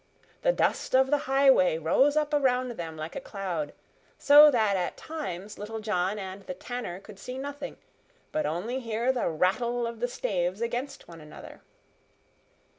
The dust of the highway rose up around them like a cloud, so that at times Little John and the Tanner could see nothing, but only hear the rattle of the staves against one another.